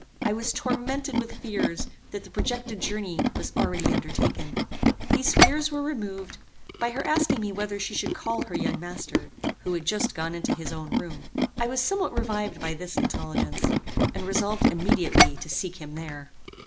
I was tormented with fears that the projected journey was already undertaken. These fears were removed, by her asking me whether she should call her young master, who had just gone into his own room. I was somewhat revived by this intelligence, and resolved immediately to seek him there.